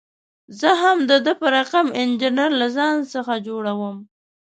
زه هم د ده په رقم انجینر له ځان څخه جوړوم.